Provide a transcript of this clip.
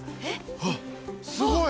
あっすごい。